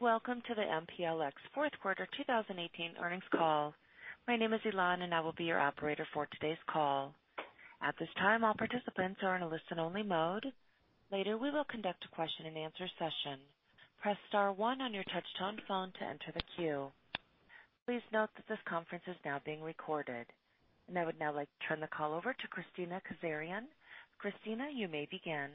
Welcome to the MPLX fourth quarter 2018 earnings call. My name is Elan, and I will be your operator for today's call. At this time, all participants are in a listen-only mode. Later, we will conduct a question and answer session. Press star one on your touch-tone phone to enter the queue. Please note that this conference is now being recorded. I would now like to turn the call over to Kristina Kazarian. Kristina, you may begin.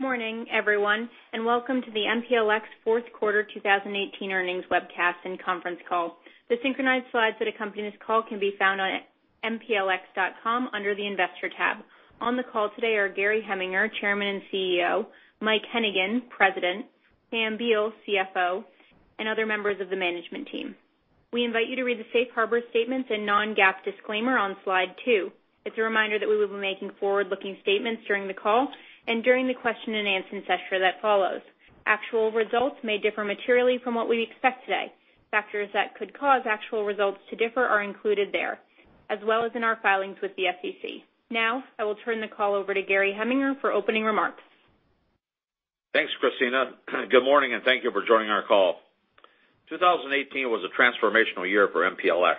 Morning, everyone, welcome to the MPLX fourth quarter 2018 earnings webcast and conference call. The synchronized slides that accompany this call can be found on mplx.com under the Investor tab. On the call today are Gary Heminger, Chairman and CEO; Mike Hennigan, President; Pam Beall, CFO; and other members of the management team. We invite you to read the safe harbor statements and non-GAAP disclaimer on slide two. It's a reminder that we will be making forward-looking statements during the call and during the question and answer session that follows. Actual results may differ materially from what we expect today. Factors that could cause actual results to differ are included there, as well as in our filings with the SEC. I will turn the call over to Gary Heminger for opening remarks. Thanks, Kristina. Good morning, thank you for joining our call. 2018 was a transformational year for MPLX.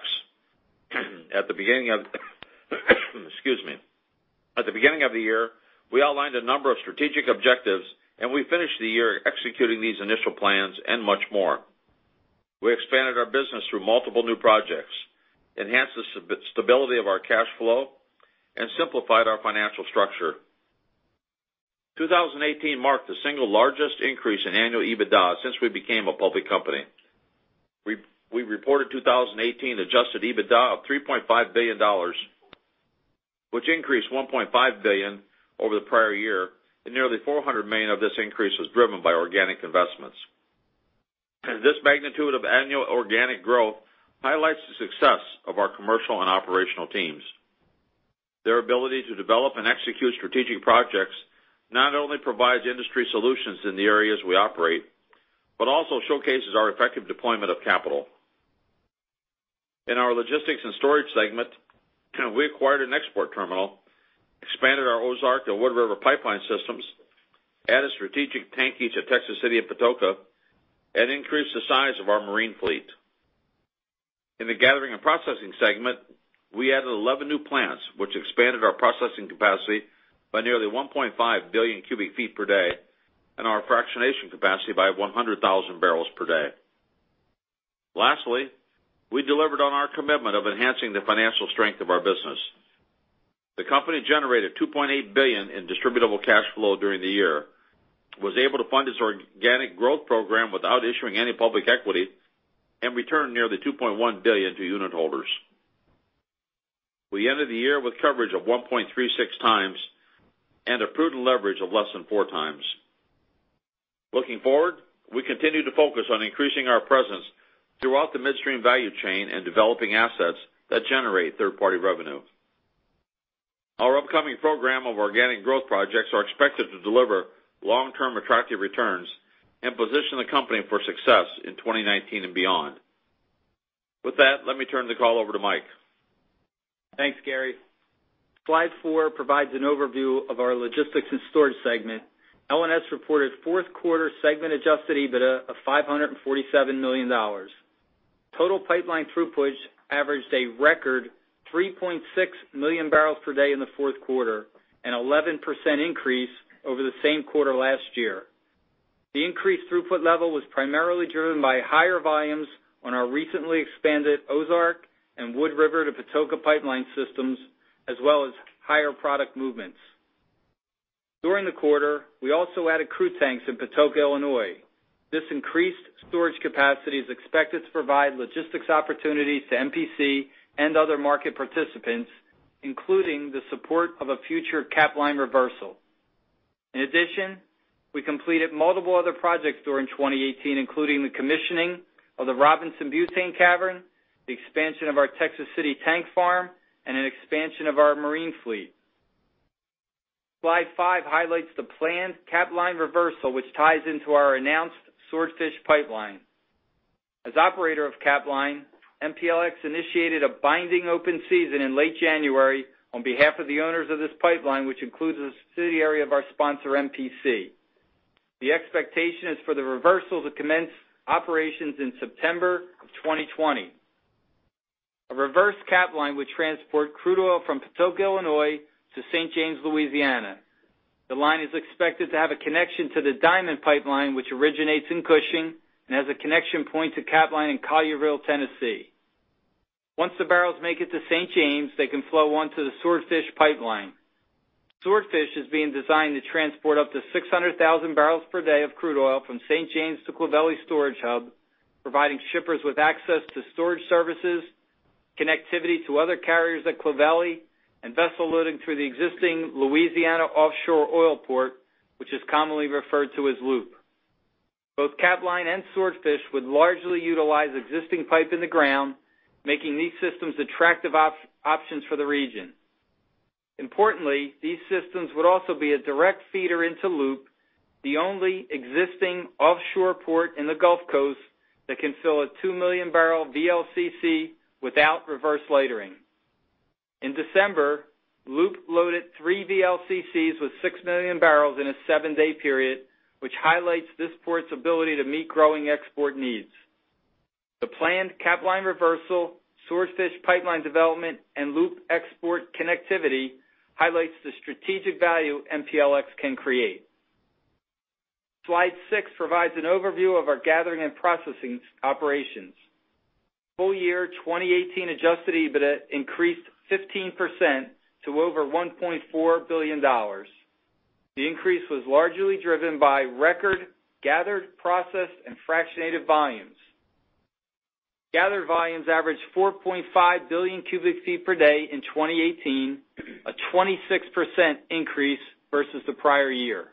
Excuse me. At the beginning of the year, we outlined a number of strategic objectives, and we finished the year executing these initial plans and much more. We expanded our business through multiple new projects, enhanced the stability of our cash flow, and simplified our financial structure. 2018 marked the single largest increase in annual EBITDA since we became a public company. We reported 2018 adjusted EBITDA of $3.5 billion, which increased $1.5 billion over the prior year, and nearly $400 million of this increase was driven by organic investments. This magnitude of annual organic growth highlights the success of our commercial and operational teams. Their ability to develop and execute strategic projects not only provides industry solutions in the areas we operate, but also showcases our effective deployment of capital. In our logistics and storage segment, we acquired an export terminal, expanded our Ozark and Wood River pipeline systems, added strategic tankage at Texas City and Patoka, and increased the size of our marine fleet. In the gathering and processing segment, we added 11 new plants, which expanded our processing capacity by nearly 1.5 billion cubic feet per day and our fractionation capacity by 100,000 barrels per day. Lastly, we delivered on our commitment of enhancing the financial strength of our business. The company generated $2.8 billion in distributable cash flow during the year, was able to fund its organic growth program without issuing any public equity, and returned nearly $2.1 billion to unitholders. We ended the year with coverage of 1.36 times and a prudent leverage of less than four times. Looking forward, we continue to focus on increasing our presence throughout the midstream value chain and developing assets that generate third-party revenue. Our upcoming program of organic growth projects are expected to deliver long-term attractive returns and position the company for success in 2019 and beyond. With that, let me turn the call over to Mike. Thanks, Gary. Slide four provides an overview of our Logistics and Storage Segment. L&S reported fourth quarter segment adjusted EBITDA of $547 million. Total pipeline throughput averaged a record 3.6 million barrels per day in the fourth quarter, an 11% increase over the same quarter last year. The increased throughput level was primarily driven by higher volumes on our recently expanded Ozark and Wood River to Patoka pipeline systems, as well as higher product movements. During the quarter, we also added crude tanks in Patoka, Illinois. This increased storage capacity is expected to provide logistics opportunities to MPC and other market participants, including the support of a future Capline reversal. In addition, we completed multiple other projects during 2018, including the commissioning of the Robinson butane cavern, the expansion of our Texas City tank farm, and an expansion of our marine fleet. Slide five highlights the planned Capline reversal, which ties into our announced Swordfish Pipeline. As operator of Capline, MPLX initiated a binding open season in late January on behalf of the owners of this pipeline, which includes a subsidiary of our sponsor, MPC. The expectation is for the reversal to commence operations in September of 2020. A reversed Capline would transport crude oil from Patoka, Illinois, to St. James, Louisiana. The line is expected to have a connection to the Diamond Pipeline, which originates in Cushing and has a connection point to Capline in Collierville, Tennessee. Once the barrels make it to St. James, they can flow onto the Swordfish Pipeline. Swordfish is being designed to transport up to 600,000 barrels per day of crude oil from St. James to Clovelly Storage Hub, providing shippers with access to storage services, connectivity to other carriers at Clovelly, and vessel loading through the existing Louisiana Offshore Oil Port, which is commonly referred to as LOOP. Both Capline and Swordfish would largely utilize existing pipe in the ground, making these systems attractive options for the region. Importantly, these systems would also be a direct feeder into LOOP, the only existing offshore port in the Gulf Coast that can fill a 2-million-barrel VLCC without reverse lightering. In December, LOOP loaded 3 VLCCs with 6 million barrels in a 7-day period, which highlights this port's ability to meet growing export needs. The planned Capline reversal, Swordfish Pipeline development, and LOOP export connectivity highlights the strategic value MPLX can create. Slide six provides an overview of our gathering and processing operations. Full year 2018 adjusted EBITDA increased 15% to over $1.4 billion. The increase was largely driven by record gathered, processed, and fractionated volumes. Gathered volumes averaged 4.5 billion cubic feet per day in 2018, a 26% increase versus the prior year.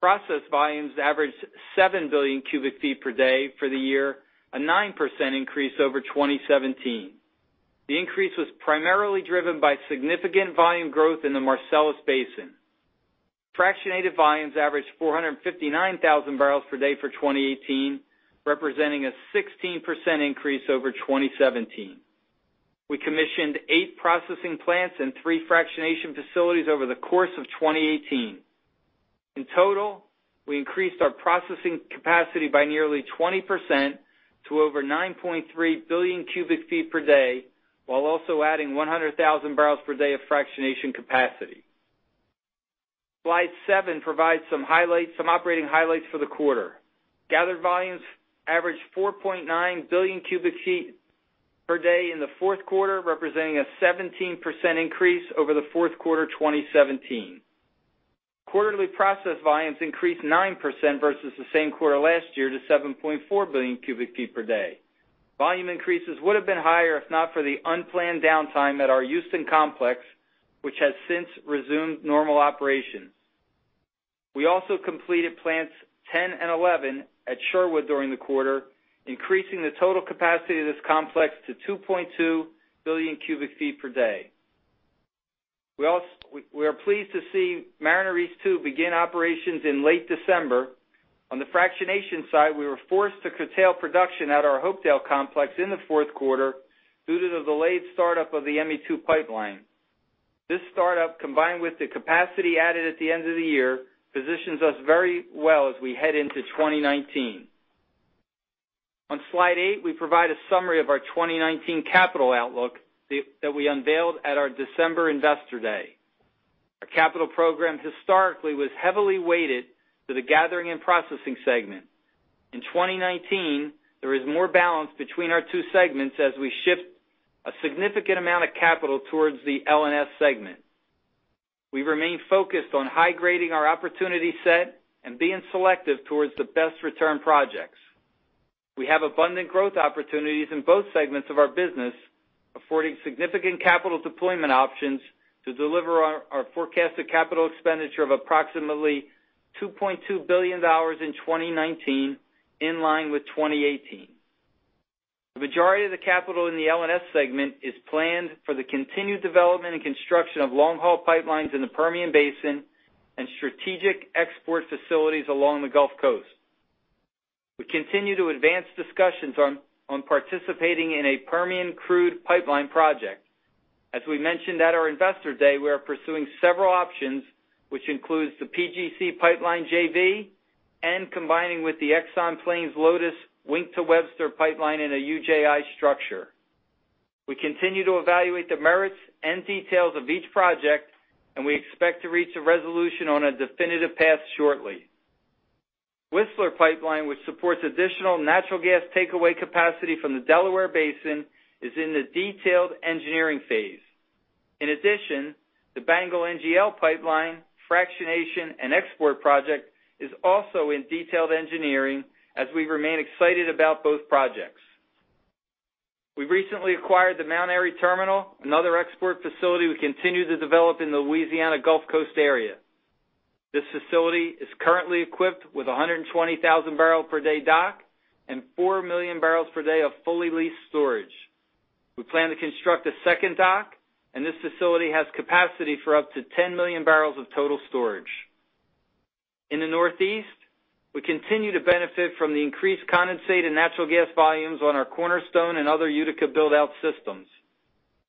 Processed volumes averaged seven billion cubic feet per day for the year, a 9% increase over 2017. The increase was primarily driven by significant volume growth in the Marcellus Basin. Fractionated volumes averaged 459,000 barrels per day for 2018, representing a 16% increase over 2017. We commissioned eight processing plants and three fractionation facilities over the course of 2018. In total, we increased our processing capacity by nearly 20% to over 9.3 billion cubic feet per day, while also adding 100,000 barrels per day of fractionation capacity. Slide seven provides some operating highlights for the quarter. Gathered volumes averaged 4.9 billion cubic feet per day in the fourth quarter, representing a 17% increase over the fourth quarter 2017. Quarterly processed volumes increased 9% versus the same quarter last year to 7.4 billion cubic feet per day. Volume increases would've been higher if not for the unplanned downtime at our Houston complex, which has since resumed normal operations. We also completed plants 10 and 11 at Sherwood during the quarter, increasing the total capacity of this complex to 2.2 billion cubic feet per day. We are pleased to see Mariner East 2 begin operations in late December. On the fractionation side, we were forced to curtail production at our Hopedale Complex in the fourth quarter due to the delayed startup of the ME2 pipeline. This startup, combined with the capacity added at the end of the year, positions us very well as we head into 2019. On slide eight, we provide a summary of our 2019 capital outlook that we unveiled at our December Investor Day. Our capital program historically was heavily weighted to the gathering and processing segment. In 2019, there is more balance between our two segments as we shift a significant amount of capital towards the L&S segment. We remain focused on high-grading our opportunity set and being selective towards the best return projects. We have abundant growth opportunities in both segments of our business, affording significant capital deployment options to deliver our forecasted capital expenditure of approximately $2.2 billion in 2019, in line with 2018. The majority of the capital in the L&S segment is planned for the continued development and construction of long-haul pipelines in the Permian Basin and strategic export facilities along the Gulf Coast. We continue to advance discussions on participating in a Permian crude pipeline project. As we mentioned at our Investor Day, we are pursuing several options, which includes the PGC Pipeline JV and combining with the Exxon Plains Lotus Wink to Webster Pipeline in a UJI structure. We continue to evaluate the merits and details of each project, and we expect to reach a resolution on a definitive path shortly. Whistler Pipeline, which supports additional natural gas takeaway capacity from the Delaware Basin, is in the detailed engineering phase. In addition, the BANGL NGL Pipeline Fractionation and Export Project is also in detailed engineering as we remain excited about both projects. We recently acquired the Mount Airy terminal, another export facility we continue to develop in the Louisiana Gulf Coast area. This facility is currently equipped with 120,000 barrel per day dock and four million barrels per day of fully leased storage. We plan to construct a second dock. This facility has capacity for up to 10 million barrels of total storage. In the Northeast, we continue to benefit from the increased condensate and natural gas volumes on our Cornerstone and other Utica build-out systems.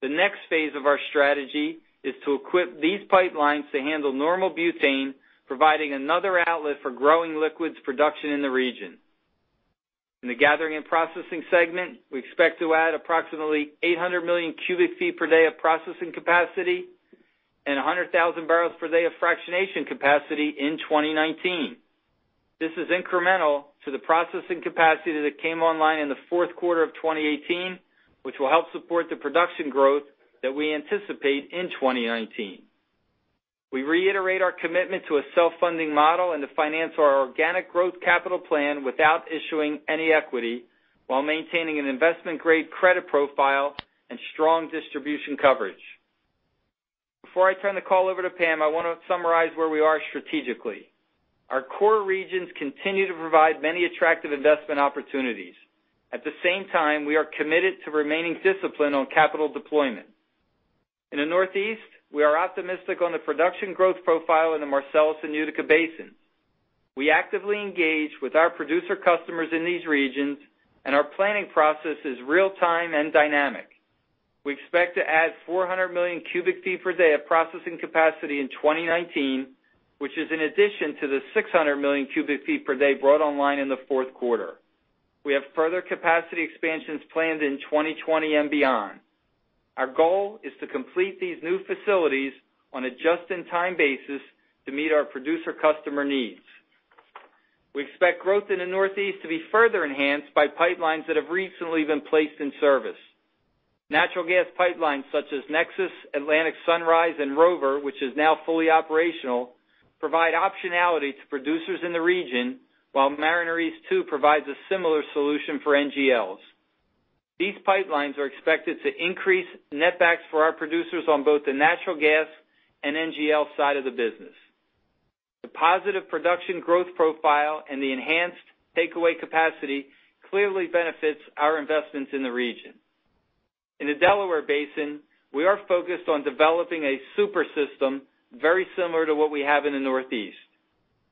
The next phase of our strategy is to equip these pipelines to handle normal butane, providing another outlet for growing liquids production in the region. In the gathering and processing segment, we expect to add approximately 800 million cubic feet per day of processing capacity and 100,000 barrels per day of fractionation capacity in 2019. This is incremental to the processing capacity that came online in the fourth quarter of 2018, which will help support the production growth that we anticipate in 2019. We reiterate our commitment to a self-funding model and to finance our organic growth capital plan without issuing any equity while maintaining an investment-grade credit profile and strong distribution coverage. Before I turn the call over to Pam, I want to summarize where we are strategically. Our core regions continue to provide many attractive investment opportunities. At the same time, we are committed to remaining disciplined on capital deployment. In the Northeast, we are optimistic on the production growth profile in the Marcellus and Utica Basin. We actively engage with our producer customers in these regions, and our planning process is real-time and dynamic. We expect to add 400 million cubic feet per day of processing capacity in 2019, which is in addition to the 600 million cubic feet per day brought online in the fourth quarter. We have further capacity expansions planned in 2020 and beyond. Our goal is to complete these new facilities on a just-in-time basis to meet our producer customer needs. We expect growth in the Northeast to be further enhanced by pipelines that have recently been placed in service. Natural gas pipelines such as Nexus, Atlantic Sunrise, and Rover, which is now fully operational, provide optionality to producers in the region, while Mariner East 2 provides a similar solution for NGLs. These pipelines are expected to increase net backs for our producers on both the natural gas and NGL side of the business. The positive production growth profile and the enhanced takeaway capacity clearly benefits our investments in the region. In the Delaware Basin, we are focused on developing a super system very similar to what we have in the Northeast.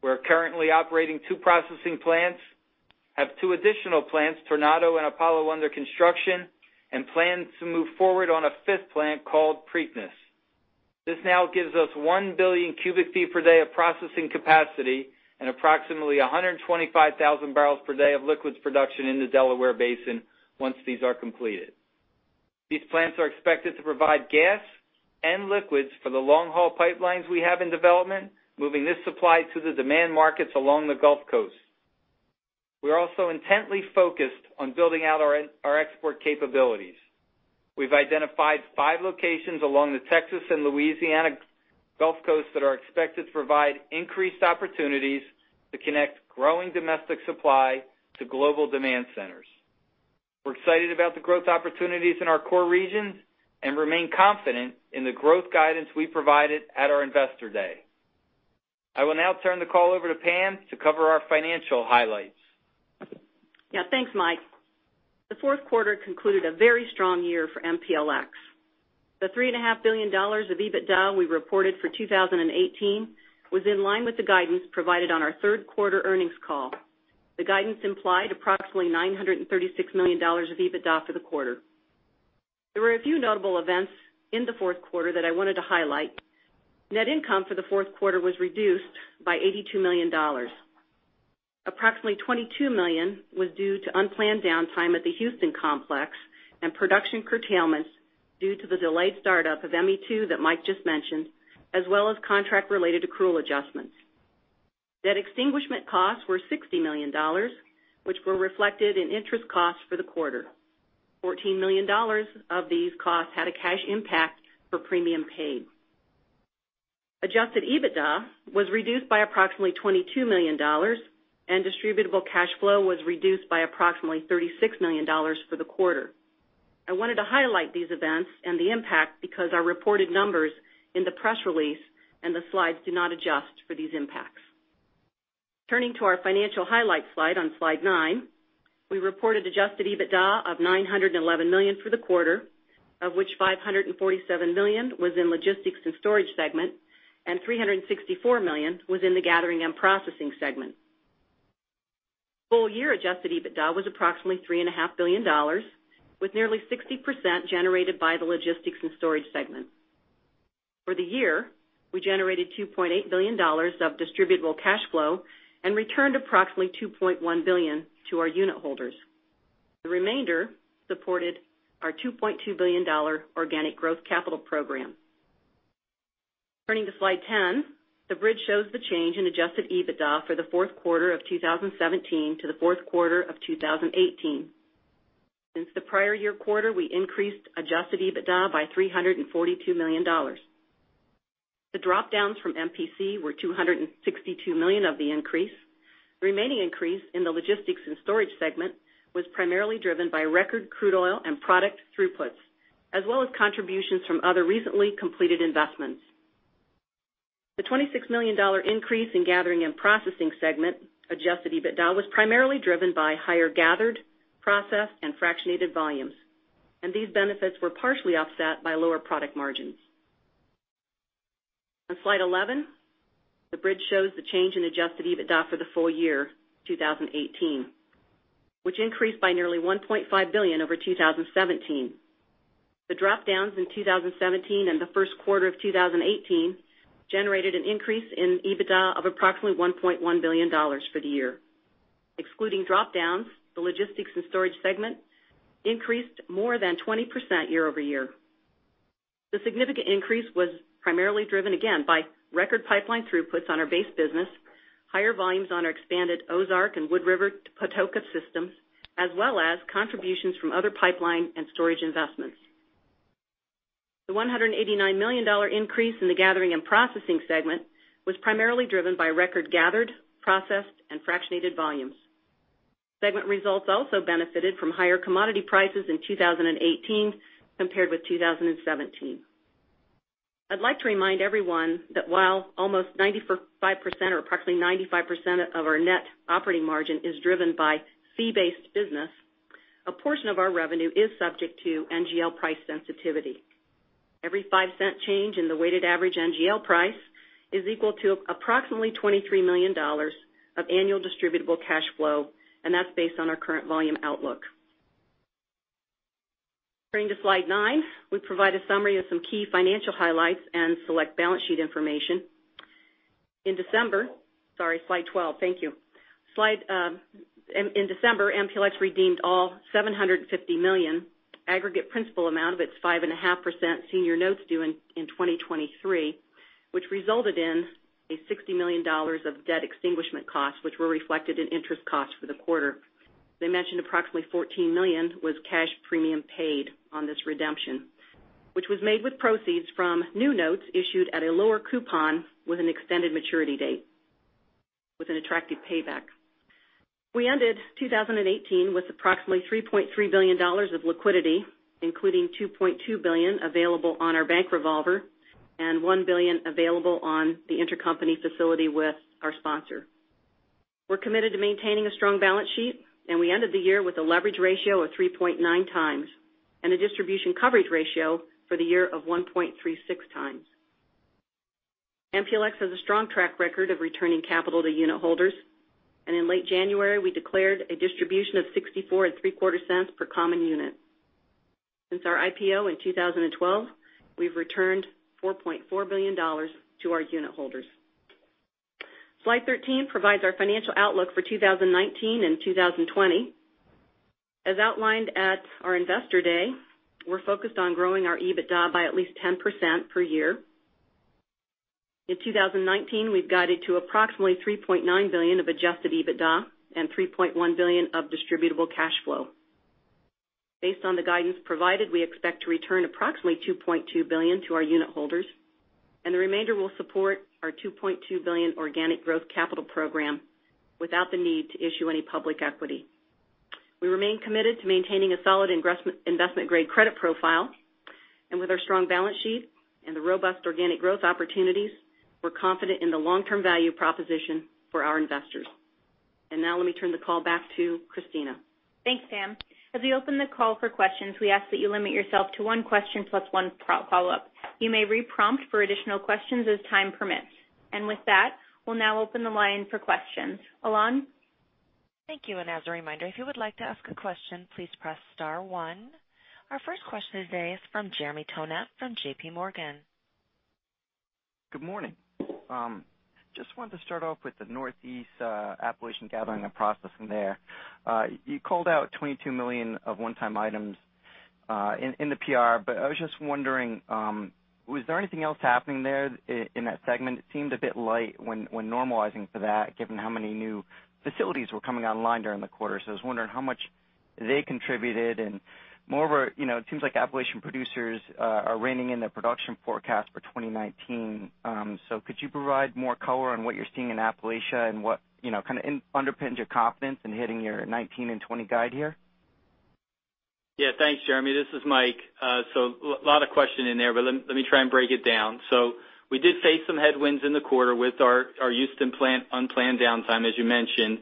We're currently operating two processing plants, have two additional plants, Tornado and Apollo, under construction, and plan to move forward on a fifth plant called Preakness. This now gives us 1 billion cubic feet per day of processing capacity and approximately 125,000 barrels per day of liquids production in the Delaware Basin once these are completed. These plants are expected to provide gas and liquids for the long-haul pipelines we have in development, moving this supply to the demand markets along the Gulf Coast. We are also intently focused on building out our export capabilities. We've identified five locations along the Texas and Louisiana Gulf Coast that are expected to provide increased opportunities to connect growing domestic supply to global demand centers. We're excited about the growth opportunities in our core regions and remain confident in the growth guidance we provided at our Investor Day. I will now turn the call over to Pam to cover our financial highlights. Yeah. Thanks, Mike. The fourth quarter concluded a very strong year for MPLX. The $3.5 billion of EBITDA we reported for 2018 was in line with the guidance provided on our third quarter earnings call. The guidance implied approximately $936 million of EBITDA for the quarter. There were a few notable events in the fourth quarter that I wanted to highlight. Net income for the fourth quarter was reduced by $82 million. Approximately $22 million was due to unplanned downtime at the Houston Complex and production curtailments due to the delayed startup of ME2 that Mike just mentioned, as well as contract-related accrual adjustments. Net extinguishment costs were $60 million, which were reflected in interest costs for the quarter. $14 million of these costs had a cash impact for premium paid. Adjusted EBITDA was reduced by approximately $22 million, and distributable cash flow was reduced by approximately $36 million for the quarter. I wanted to highlight these events and the impact because our reported numbers in the press release and the slides do not adjust for these impacts. Turning to our financial highlights slide on slide nine, we reported adjusted EBITDA of $911 million for the quarter, of which $547 million was in Logistics and Storage segment and $364 million was in the Gathering and Processing segment. Full-year adjusted EBITDA was approximately $3.5 billion, with nearly 60% generated by the Logistics and Storage segment. For the year, we generated $2.8 billion of distributable cash flow and returned approximately $2.1 billion to our unitholders. The remainder supported our $2.2 billion organic growth capital program. Turning to slide 10, the bridge shows the change in adjusted EBITDA for the fourth quarter of 2017 to the fourth quarter of 2018. Since the prior year quarter, we increased adjusted EBITDA by $342 million. The drop-downs from MPC were $262 million of the increase. Remaining increase in the Logistics and Storage segment was primarily driven by record crude oil and product throughputs, as well as contributions from other recently completed investments. The $26 million increase in Gathering and Processing segment adjusted EBITDA was primarily driven by higher gathered, processed, and fractionated volumes, and these benefits were partially offset by lower product margins. On slide 11, the bridge shows the change in adjusted EBITDA for the full year 2018, which increased by nearly $1.5 billion over 2017. The drop-downs in 2017 and the first quarter of 2018 generated an increase in EBITDA of approximately $1.1 billion for the year. Excluding drop-downs, the Logistics and Storage segment increased more than 20% year-over-year. The significant increase was primarily driven again by record pipeline throughputs on our base business, higher volumes on our expanded Ozark and Wood River Patoka systems, as well as contributions from other pipeline and storage investments. The $189 million increase in the Gathering and Processing segment was primarily driven by record gathered, processed, and fractionated volumes. Segment results also benefited from higher commodity prices in 2018 compared with 2017. I'd like to remind everyone that while almost 95%, or approximately 95% of our net operating margin is driven by fee-based business. A portion of our revenue is subject to NGL price sensitivity. Every $0.05 change in the weighted average NGL price is equal to approximately $23 million of annual distributable cash flow, and that's based on our current volume outlook. Turning to slide nine, we provide a summary of some key financial highlights and select balance sheet information. In December, slide 12. Thank you. In December, MPLX redeemed all $750 million aggregate principal amount of its 5.5% senior notes due in 2023, which resulted in $60 million of debt extinguishment costs, which were reflected in interest costs for the quarter. As I mentioned, approximately $14 million was cash premium paid on this redemption, which was made with proceeds from new notes issued at a lower coupon with an extended maturity date, with an attractive payback. We ended 2018 with approximately $3.3 billion of liquidity, including $2.2 billion available on our bank revolver and $1 billion available on the intercompany facility with our sponsor. We're committed to maintaining a strong balance sheet, we ended the year with a leverage ratio of 3.9 times and a distribution coverage ratio for the year of 1.36 times. MPLX has a strong track record of returning capital to unit holders, and in late January, we declared a distribution of 64 and three quarter cents per common unit. Since our IPO in 2012, we've returned $4.4 billion to our unit holders. Slide 13 provides our financial outlook for 2019 and 2020. As outlined at our Investor Day, we're focused on growing our EBITDA by at least 10% per year. In 2019, we've guided to approximately $3.9 billion of adjusted EBITDA and $3.1 billion of distributable cash flow. Based on the guidance provided, we expect to return approximately $2.2 billion to our unit holders, the remainder will support our $2.2 billion organic growth capital program without the need to issue any public equity. We remain committed to maintaining a solid investment-grade credit profile, and with our strong balance sheet and the robust organic growth opportunities, we're confident in the long-term value proposition for our investors. Now let me turn the call back to Kristina. Thanks, Pam. As we open the call for questions, we ask that you limit yourself to one question plus one follow-up. You may re-prompt for additional questions as time permits. With that, we'll now open the line for questions. Elan? Thank you. As a reminder, if you would like to ask a question, please press *1. Our first question today is from Jeremy Tonet from J.P. Morgan. Good morning. Just wanted to start off with the Northeast Appalachian Gathering and processing there. You called out $22 million of one-time items in the PR. I was just wondering, was there anything else happening there in that segment? It seemed a bit light when normalizing for that, given how many new facilities were coming online during the quarter. I was wondering how much they contributed and moreover, it seems like Appalachian producers are reining in their production forecast for 2019. Could you provide more color on what you're seeing in Appalachia and what kind of underpins your confidence in hitting your 2019 and 2020 guide here? Yeah. Thanks, Jeremy. This is Mike. A lot of question in there, let me try and break it down. We did face some headwinds in the quarter with our Houston plant unplanned downtime, as you mentioned.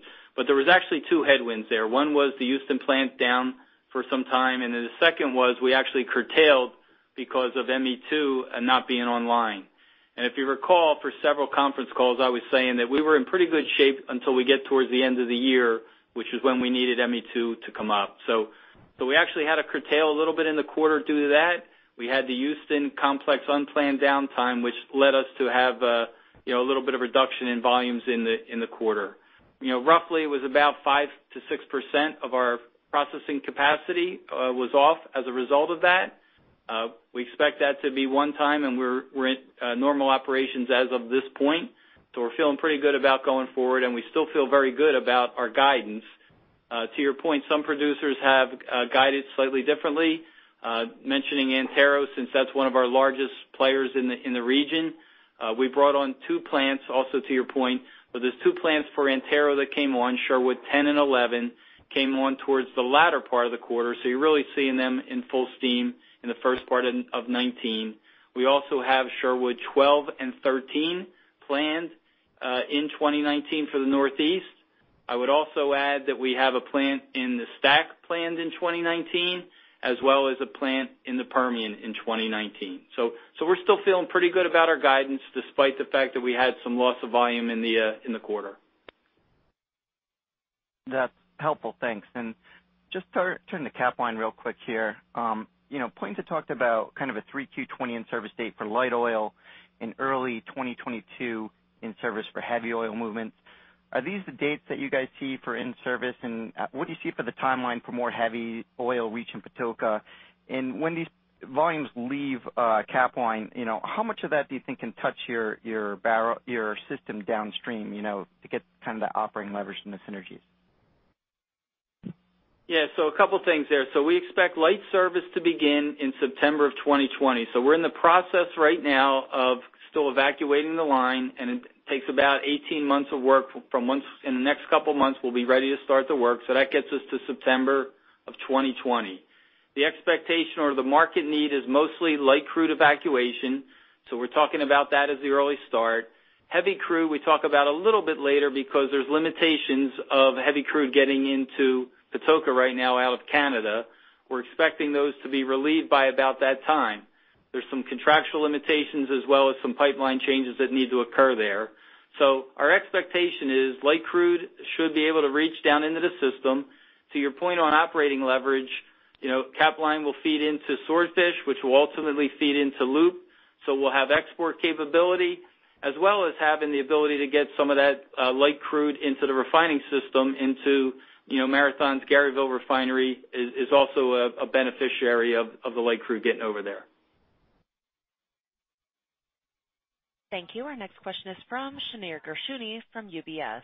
There was actually two headwinds there. One was the Houston plant down for some time, the second was we actually curtailed because of ME2 not being online. If you recall, for several conference calls, I was saying that we were in pretty good shape until we get towards the end of the year, which is when we needed ME2 to come up. We actually had to curtail a little bit in the quarter due to that. We had the Houston complex unplanned downtime, which led us to have a little bit of reduction in volumes in the quarter. Roughly, it was about 5% to 6% of our processing capacity was off as a result of that. We expect that to be one time, and we're in normal operations as of this point. We're feeling pretty good about going forward, and we still feel very good about our guidance. To your point, some producers have guided slightly differently. Mentioning Antero, since that's one of our largest players in the region. We brought on two plants also to your point, but there's two plants for Antero that came on, Sherwood 10 and 11, came on towards the latter part of the quarter. You're really seeing them in full steam in the first part of 2019. We also have Sherwood 12 and 13 planned in 2019 for the Northeast. I would also add that we have a plant in the STACK planned in 2019, as well as a plant in the Permian in 2019. We're still feeling pretty good about our guidance despite the fact that we had some loss of volume in the quarter. That's helpful. Thanks. Just turning to Capline real quick here. Point to talked about kind of a 3 Q20 in service date for light oil in early 2022 in service for heavy oil movements. Are these the dates that you guys see for in-service, and what do you see for the timeline for more heavy oil reach in Patoka? When these volumes leave Capline, how much of that do you think can touch your system downstream to get kind of the operating leverage and the synergies? Yeah. A couple of things there. We expect light service to begin in September of 2020. We're in the process right now of still evacuating the line, and it takes about 18 months of work. In the next couple of months, we'll be ready to start the work. That gets us to September of 2020. The expectation or the market need is mostly light crude evacuation, so we're talking about that as the early start. Heavy crude, we talk about a little bit later because there's limitations of heavy crude getting into Patoka right now out of Canada. We're expecting those to be relieved by about that time. There's some contractual limitations as well as some pipeline changes that need to occur there. Our expectation is light crude should be able to reach down into the system. To your point on operating leverage, Capline will feed into Swordfish, which will ultimately feed into LOOP. We'll have export capability as well as having the ability to get some of that light crude into the refining system into Marathon's Garyville Refinery, is also a beneficiary of the light crude getting over there. Thank you. Our next question is from Shneur Gershuni from UBS.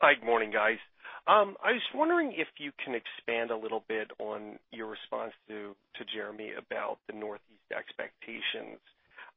Hi. Good morning, guys. I was wondering if you can expand a little bit on your response to Jeremy about the Northeast expectations.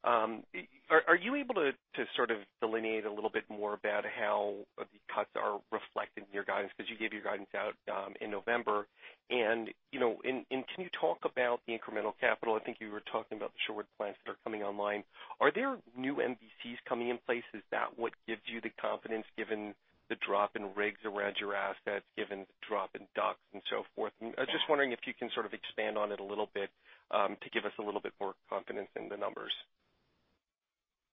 Are you able to sort of delineate a little bit more about how the cuts are reflected in your guidance? Because you gave your guidance out in November. Can you talk about the incremental capital? I think you were talking about the short plants that are coming online. Are there new MVCs coming in place? Is that what gives you the confidence given the drop in rigs around your assets, given the drop in docks and so forth? I was just wondering if you can sort of expand on it a little bit to give us a little bit more confidence in the numbers.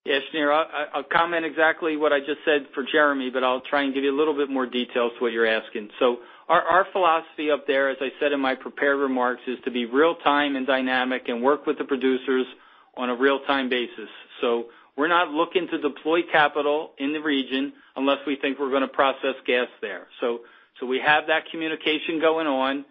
Yes, Shneur, I'll comment exactly what I just said for Jeremy, but I'll try and give you a little bit more details to what you're asking. Our philosophy up there, as I said in my prepared remarks, is to be real-time and dynamic and work with the producers on a real-time basis. We're not looking to deploy capital in the region unless we think we're going to process gas there. We have that communication going on.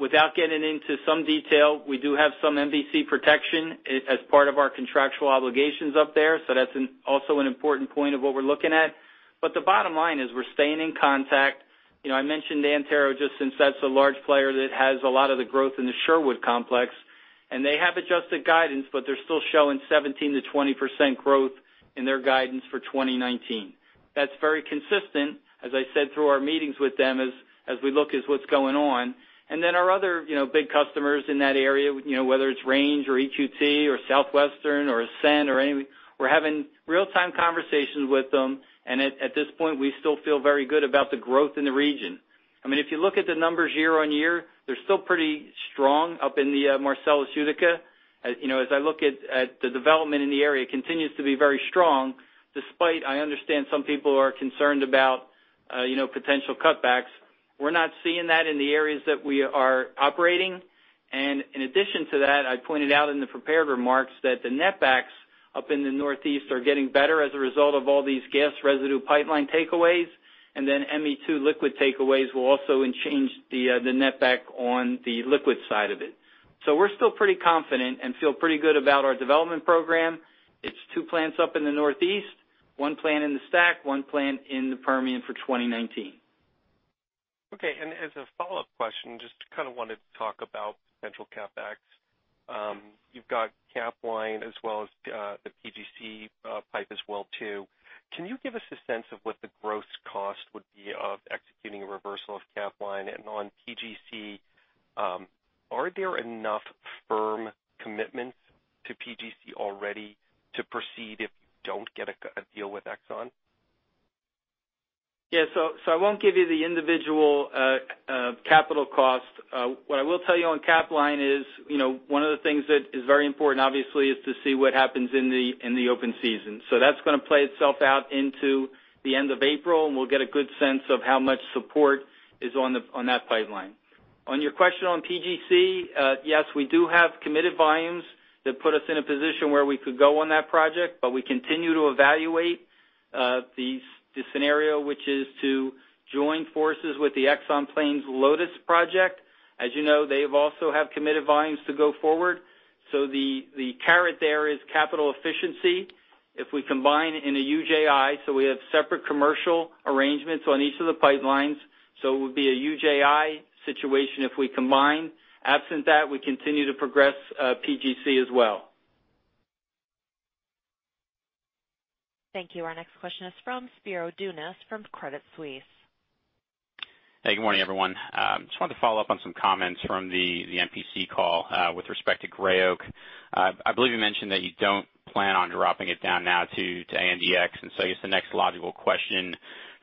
Without getting into some detail, we do have some MVC protection as part of our contractual obligations up there, so that's also an important point of what we're looking at. The bottom line is we're staying in contact. I mentioned Antero just since that's a large player that has a lot of the growth in the Sherwood complex. They have adjusted guidance, but they're still showing 17%-20% growth in their guidance for 2019. That's very consistent, as I said, through our meetings with them as we look as what's going on. Our other big customers in that area, whether it's Range or EQT or Southwestern or Ascent, we're having real-time conversations with them, and at this point, we still feel very good about the growth in the region. If you look at the numbers year-over-year, they're still pretty strong up in the Marcellus Utica. As I look at the development in the area, it continues to be very strong, despite I understand some people are concerned about potential cutbacks. We're not seeing that in the areas that we are operating. In addition to that, I pointed out in the prepared remarks that the netbacks up in the Northeast are getting better as a result of all these gas residue pipeline takeaways. ME2 liquid takeaways will also change the netback on the liquid side of it. We're still pretty confident and feel pretty good about our development program. It's two plants up in the Northeast, one plant in the STACK, one plant in the Permian for 2019. Okay. As a follow-up question, just kind of wanted to talk about potential CapEx. You've got Capline as well as the PGC pipe as well too. Can you give us a sense of what the gross cost would be of executing a reversal of Capline? On PGC, are there enough firm commitments to PGC already to proceed if you don't get a deal with Exxon? Yeah. I won't give you the individual capital cost. What I will tell you on Capline is, one of the things that is very important, obviously, is to see what happens in the open season. That's going to play itself out into the end of April, and we'll get a good sense of how much support is on that pipeline. On your question on PGC, yes, we do have committed volumes that put us in a position where we could go on that project, but we continue to evaluate the scenario, which is to join forces with the Exxon Plains Lotus project. As you know, they've also have committed volumes to go forward. The carrot there is capital efficiency. If we combine in a UJI, so we have separate commercial arrangements on each of the pipelines. It would be a UJI situation if we combine. Absent that, we continue to progress PGC as well. Thank you. Our next question is from Spiro Dounis from Credit Suisse. Hey, good morning, everyone. Just wanted to follow up on some comments from the MPC call with respect to Gray Oak. I believe you mentioned that you don't plan on dropping it down now to ANDX. I guess the next logical question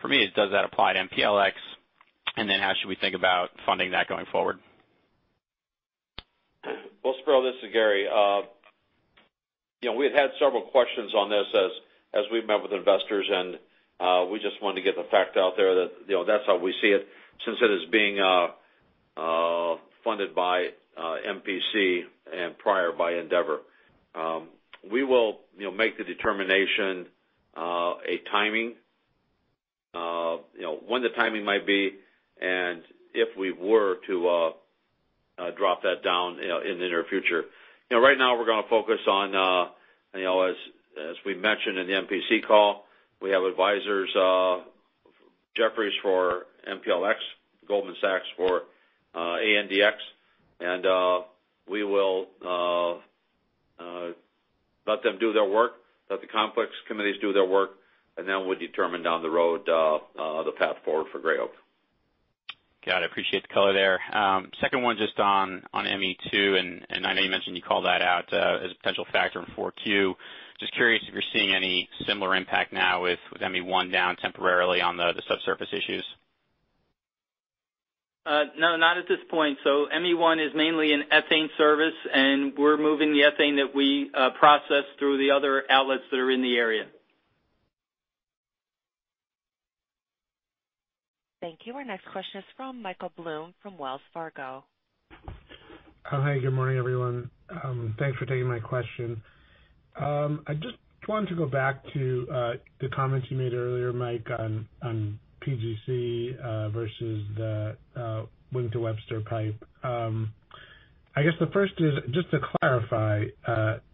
for me is, does that apply to MPLX? And then how should we think about funding that going forward? Well, Spiro, this is Gary. We've had several questions on this as we've met with investors, and we just wanted to get the fact out there that that's how we see it, since it is being funded by MPC and prior by Andeavor. We will make the determination when the timing might be and if we were to drop that down in the near future. Right now, as we mentioned in the MPC call, we have advisors, Jefferies for MPLX, Goldman Sachs for ANDX. Let them do their work, let the complex committees do their work, and then we'll determine down the road the path forward for Gray Oak. Got it. Appreciate the color there. Second one just on ME2, I know you mentioned you called that out as a potential factor in 4Q. Just curious if you're seeing any similar impact now with ME1 down temporarily on the subsurface issues. No, not at this point. ME1 is mainly an ethane service, we're moving the ethane that we process through the other outlets that are in the area. Thank you. Our next question is from Michael Blum from Wells Fargo. Hi. Good morning, everyone. Thanks for taking my question. I just wanted to go back to the comments you made earlier, Mike, on PGC versus the Wink to Webster pipe. I guess the first is, just to clarify,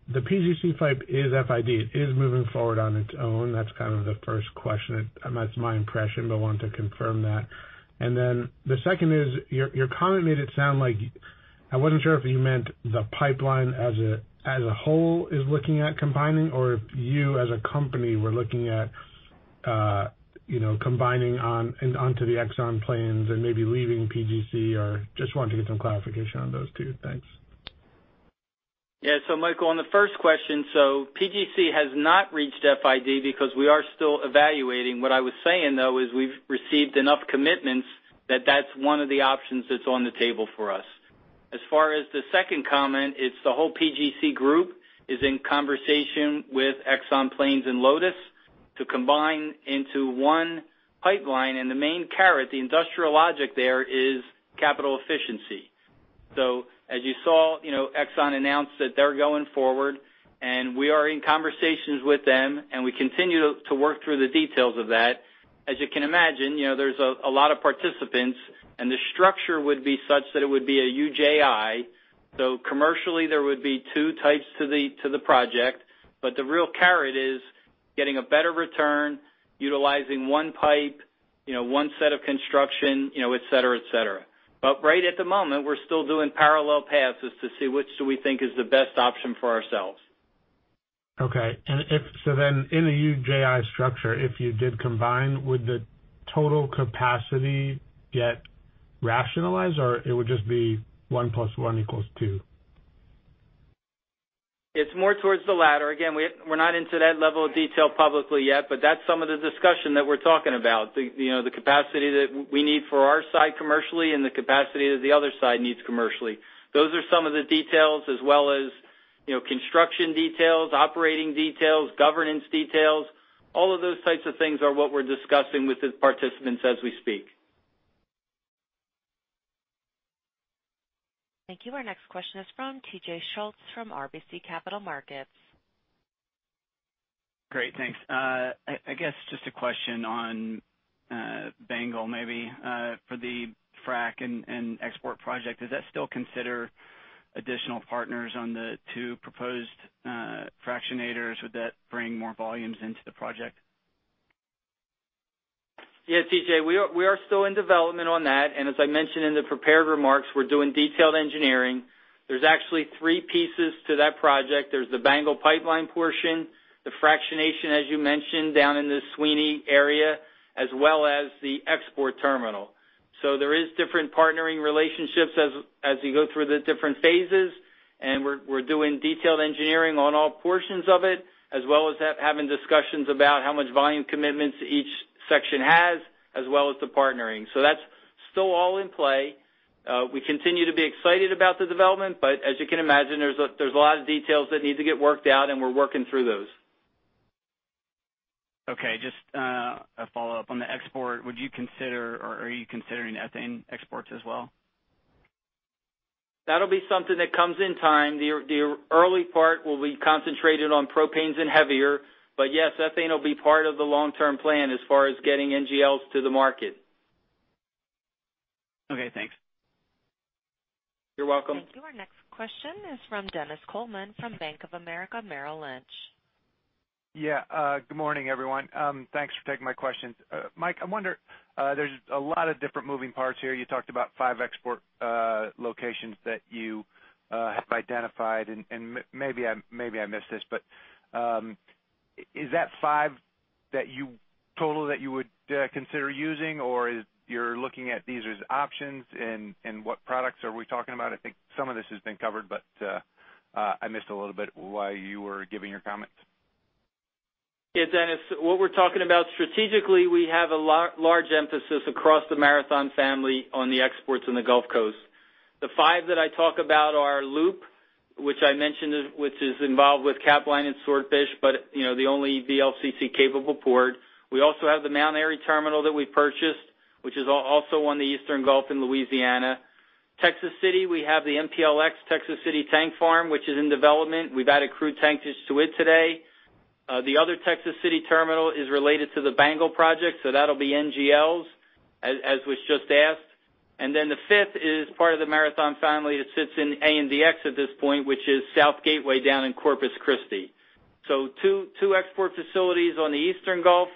the PGC pipe is FID. It is moving forward on its own. That's kind of the first question. That's my impression, but wanted to confirm that. Then the second is, your comment made it sound like, I wasn't sure if you meant the pipeline as a whole is looking at combining, or if you as a company were looking at combining onto the Exxon plains and maybe leaving PGC. Just wanted to get some clarification on those two. Thanks. Yeah. Michael, on the first question, PGC has not reached FID because we are still evaluating. What I was saying, though, is we've received enough commitments that that's one of the options that's on the table for us. As far as the second comment, the whole PGC group is in conversation with Exxon, Plains and Lotus to combine into 1 pipeline, the main carrot, the industrial logic there, is capital efficiency. As you saw, Exxon announced that they're going forward, we are in conversations with them, we continue to work through the details of that. As you can imagine, there's a lot of participants, the structure would be such that it would be a UJI. Commercially, there would be 2 types to the project, the real carrot is getting a better return, utilizing 1 pipe, 1 set of construction, et cetera. Right at the moment, we're still doing parallel paths as to see which do we think is the best option for ourselves. Okay. In a JV structure, if you did combine, would the total capacity get rationalized, or it would just be 1 plus 1 equals 2? It's more towards the latter. Again, we're not into that level of detail publicly yet, that's some of the discussion that we're talking about. The capacity that we need for our side commercially, the capacity that the other side needs commercially. Those are some of the details as well as construction details, operating details, governance details. All of those types of things are what we're discussing with the participants as we speak. Thank you. Our next question is from T.J. Schultz from RBC Capital Markets. Great, thanks. I guess just a question on BANGL maybe for the frac and export project. Does that still consider additional partners on the two proposed fractionators? Would that bring more volumes into the project? Yeah, T.J. We are still in development on that. As I mentioned in the prepared remarks, we're doing detailed engineering. There's actually three pieces to that project. There's the BANGL pipeline portion, the fractionation, as you mentioned, down in the Sweeney area, as well as the export terminal. There is different partnering relationships as you go through the different phases. We're doing detailed engineering on all portions of it, as well as having discussions about how much volume commitments each section has, as well as the partnering. That's still all in play. We continue to be excited about the development, but as you can imagine, there's a lot of details that need to get worked out. We're working through those. Okay, just a follow-up. On the export, would you consider, or are you considering ethane exports as well? That'll be something that comes in time. The early part will be concentrated on propanes and heavier. Yes, ethane will be part of the long-term plan as far as getting NGLs to the market. Okay, thanks. You're welcome. Thank you. Our next question is from Dennis Coleman from Bank of America Merrill Lynch. Yeah. Good morning, everyone. Thanks for taking my questions. Mike, I wonder, there's a lot of different moving parts here. You talked about five export locations that you have identified, and maybe I missed this, but is that five total that you would consider using, or you're looking at these as options, and what products are we talking about? I think some of this has been covered, but I missed a little bit while you were giving your comments. Yeah, Dennis. What we're talking about strategically, we have a large emphasis across the Marathon family on the exports in the Gulf Coast. The five that I talk about are LOOP, which I mentioned, which is involved with Capline and Swordfish, but the only VLCC-capable port. We also have the Mount Airy terminal that we purchased, which is also on the Eastern Gulf in Louisiana. Texas City, we have the MPLX Texas City tank farm, which is in development. We've added crude tanks to it today. The other Texas City terminal is related to the BANGL project, so that'll be NGLs, as was just asked. The fifth is part of the Marathon family that sits in ANDX at this point, which is South Gateway down in Corpus Christi. Two export facilities on the Eastern Gulf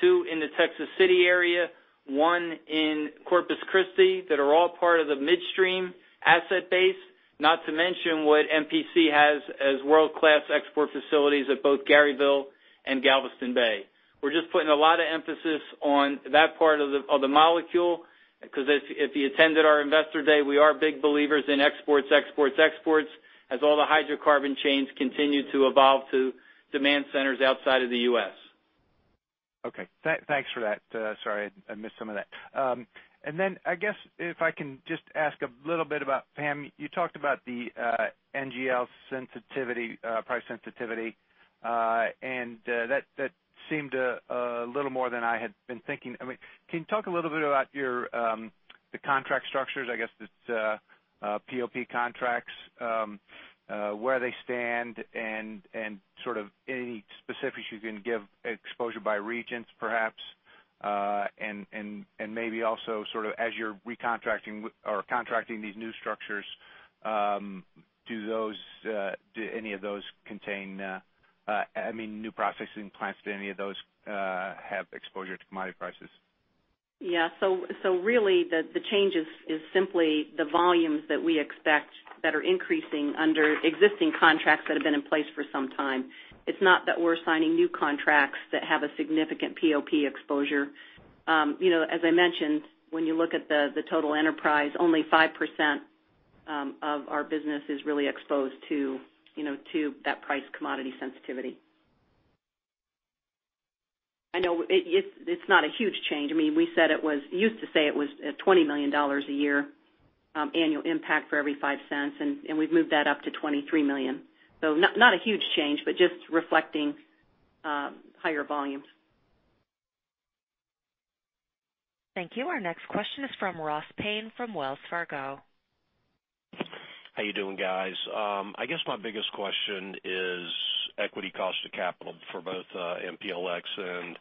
Two in the Texas City area, one in Corpus Christi, that are all part of the midstream asset base. Not to mention what MPC has as world-class export facilities at both Garyville and Galveston Bay. We're just putting a lot of emphasis on that part of the molecule, because if you attended our Investor Day, we are big believers in exports, as all the hydrocarbon chains continue to evolve to demand centers outside of the U.S. Okay. Thanks for that. Sorry, I missed some of that. I guess, if I can just ask a little bit about Pam, you talked about the NGL price sensitivity, and that seemed a little more than I had been thinking. Can you talk a little bit about the contract structures, I guess it's POP contracts, where they stand, and any specifics you can give, exposure by regions perhaps, and maybe also as you're recontracting or contracting these new structures, I mean, new processing plants, do any of those have exposure to commodity prices? Yeah. Really, the change is simply the volumes that we expect that are increasing under existing contracts that have been in place for some time. It's not that we're signing new contracts that have a significant POP exposure. As I mentioned, when you look at the total enterprise, only 5% of our business is really exposed to that price commodity sensitivity. I know it's not a huge change. We used to say it was a $20 million a year annual impact for every $0.05, and we've moved that up to $23 million. Not a huge change, but just reflecting higher volumes. Thank you. Our next question is from Ross Payne from Wells Fargo. How you doing, guys? I guess my biggest question is equity cost of capital for both MPLX and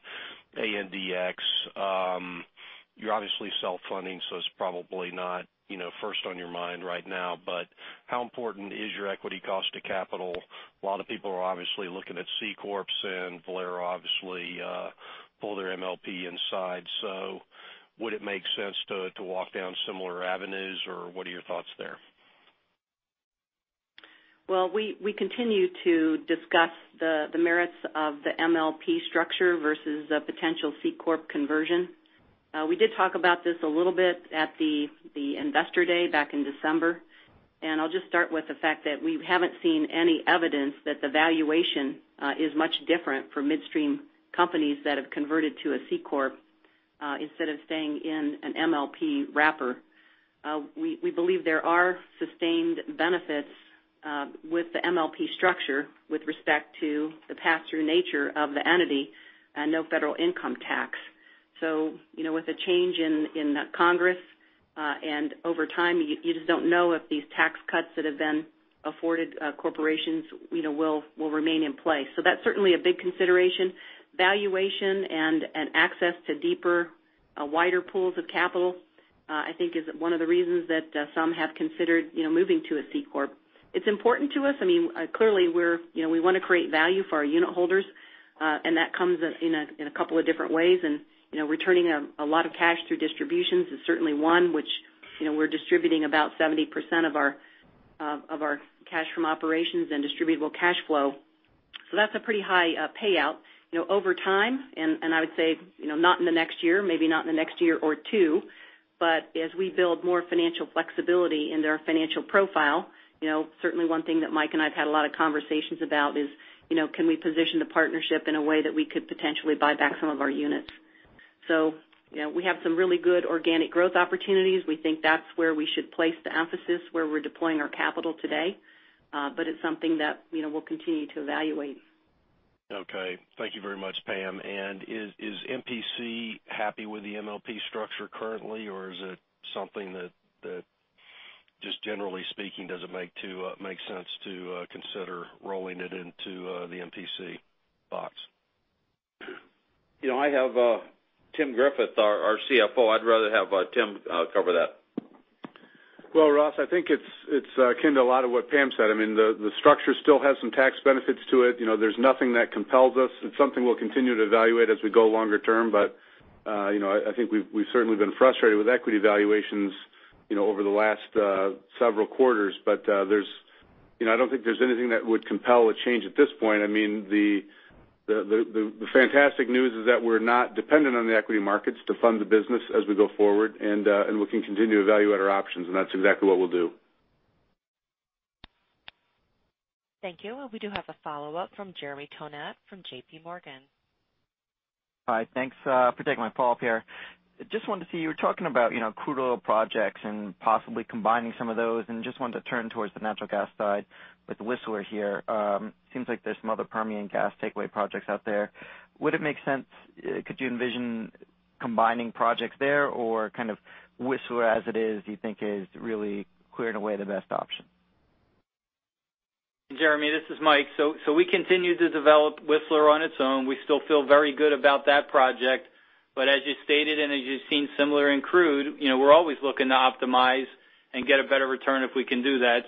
ANDX. You're obviously self-funding, so it's probably not first on your mind right now, but how important is your equity cost to capital? A lot of people are obviously looking at C Corps and Valero obviously pulled their MLP inside. Would it make sense to walk down similar avenues, or what are your thoughts there? Well, we continue to discuss the merits of the MLP structure versus a potential C Corp conversion. We did talk about this a little bit at the Investor Day back in December, I'll just start with the fact that we haven't seen any evidence that the valuation is much different for midstream companies that have converted to a C Corp instead of staying in an MLP wrapper. We believe there are sustained benefits with the MLP structure with respect to the pass-through nature of the entity and no federal income tax. With the change in Congress, and over time, you just don't know if these tax cuts that have been afforded corporations will remain in place. That's certainly a big consideration. Valuation and access to deeper, wider pools of capital, I think is one of the reasons that some have considered moving to a C Corp. It's important to us. Clearly, we want to create value for our unitholders, and that comes in a couple of different ways. Returning a lot of cash through distributions is certainly one, which we're distributing about 70% of our cash from operations and distributable cash flow. That's a pretty high payout. Over time, and I would say, not in the next year, maybe not in the next year or two, but as we build more financial flexibility into our financial profile, certainly one thing that Mike and I have had a lot of conversations about is, can we position the partnership in a way that we could potentially buy back some of our units? We have some really good organic growth opportunities. We think that's where we should place the emphasis, where we're deploying our capital today. It's something that we'll continue to evaluate. Okay. Thank you very much, Pam. Is MPC happy with the MLP structure currently, or is it something that, just generally speaking, does it make sense to consider rolling it into the MPC box? I have Timothy Griffith, our CFO. I'd rather have Tim cover that. Well, Ross, I think it's akin to a lot of what Pam said. The structure still has some tax benefits to it. There's nothing that compels us. It's something we'll continue to evaluate as we go longer term, I think we've certainly been frustrated with equity valuations over the last several quarters. I don't think there's anything that would compel a change at this point. The fantastic news is that we're not dependent on the equity markets to fund the business as we go forward, and we can continue to evaluate our options, and that's exactly what we'll do. Thank you. We do have a follow-up from Jeremy Tonet from J.P. Morgan. Thanks, appreciate my follow-up here. Wanted to see, you were talking about crude oil projects and possibly combining some of those, wanted to turn towards the natural gas side with Whistler here. Seems like there's some other Permian gas takeaway projects out there. Could you envision combining projects there, Whistler as it is, do you think is really clear and away the best option? Jeremy, this is Mike. We continue to develop Whistler on its own. We still feel very good about that project. As you stated, as you've seen similar in crude, we're always looking to optimize and get a better return if we can do that.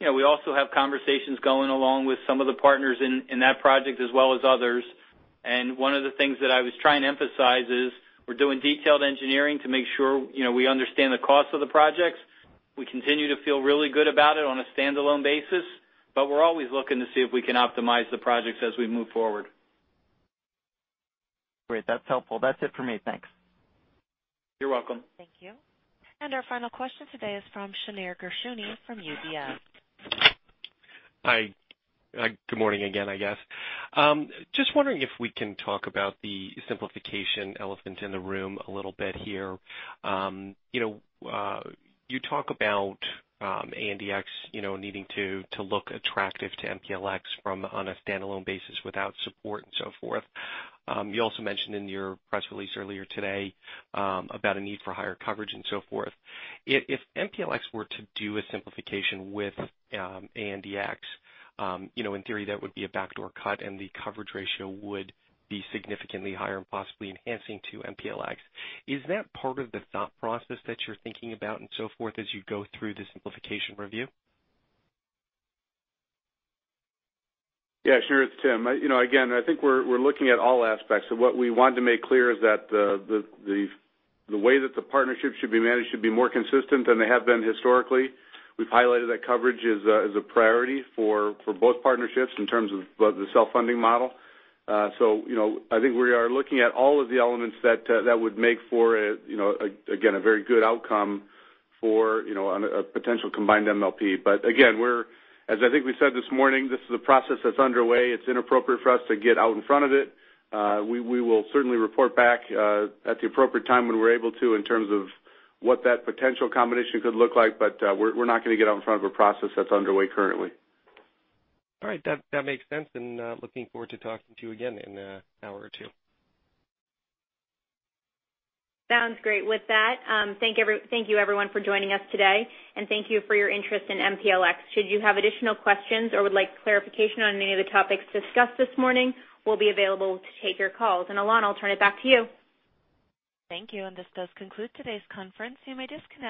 We also have conversations going along with some of the partners in that project as well as others. One of the things that I was trying to emphasize is we're doing detailed engineering to make sure we understand the cost of the projects. We continue to feel really good about it on a standalone basis, we're always looking to see if we can optimize the projects as we move forward. Great. That's helpful. That's it for me. Thanks. You're welcome. Thank you. Our final question today is from Shneur Gershuni from UBS. Hi. Good morning again, I guess. Just wondering if we can talk about the simplification elephant in the room a little bit here. You talk about ANDX needing to look attractive to MPLX from on a standalone basis without support and so forth. You also mentioned in your press release earlier today about a need for higher coverage and so forth. If MPLX were to do a simplification with ANDX, in theory, that would be a backdoor cut and the coverage ratio would be significantly higher and possibly enhancing to MPLX. Is that part of the thought process that you're thinking about and so forth as you go through the simplification review? Yeah, sure. It's Tim. Again, I think we're looking at all aspects of what we wanted to make clear is that the way that the partnership should be managed should be more consistent than they have been historically. We've highlighted that coverage is a priority for both partnerships in terms of the self-funding model. I think we are looking at all of the elements that would make for, again, a very good outcome for a potential combined MLP. Again, as I think we said this morning, this is a process that's underway. It's inappropriate for us to get out in front of it. We will certainly report back at the appropriate time when we're able to, in terms of what that potential combination could look like. We're not going to get out in front of a process that's underway currently. All right. That makes sense. Looking forward to talking to you again in an hour or two. Sounds great. With that, thank you, everyone, for joining us today. Thank you for your interest in MPLX. Should you have additional questions or would like clarification on any of the topics discussed this morning, we'll be available to take your calls. Alana, I'll turn it back to you. Thank you. This does conclude today's conference. You may disconnect.